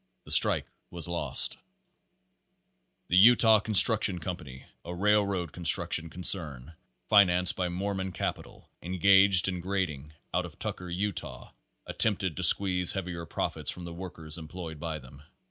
The strike was lost. Page Twenty eight The Utah Construction Company, a railroad con struction concern, financed by Mormon capital, en gaged in grading out of Tucker, Utah, attempted to squeeze heavier profits from the workers employed by them.